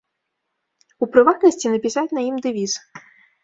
У прыватнасці, напісаць на ім дэвіз.